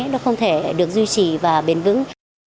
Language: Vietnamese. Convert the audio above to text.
nó không thể được duy trì và biến vững